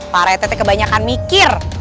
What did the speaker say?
pak rete kebanyakan mikir